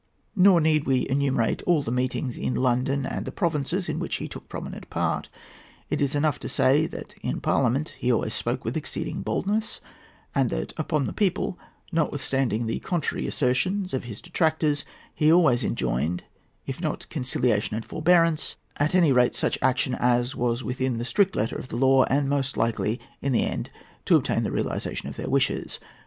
Nor need we enumerate all the meetings, in London and the provinces, in which he took prominent part. It is enough to say that in Parliament he always spoke with exceeding boldness, and that upon the people, notwithstanding the contrary assertions of his detractors, he always enjoined, if not conciliation and forbearance, at any rate such action as was within the strict letter of the law, and most likely, in the end, to obtain the realization of their wishes.